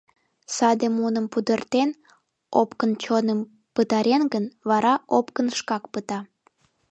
Саде муным пудыртен, опкын чоным пытарет гын, вара опкын шкак пыта.